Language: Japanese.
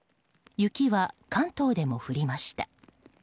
雪は関東でも降りました。